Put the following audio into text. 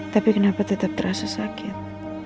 tapi kenapa tetap terasa sakit